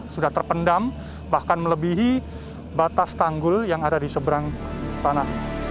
sudah terpendam bahkan melebihi batas tanggul yang ada di seberang sana